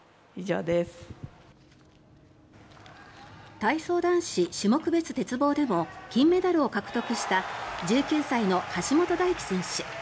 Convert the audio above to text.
体操男子種目別鉄棒でも金メダルを獲得した１９歳の橋本大輝選手。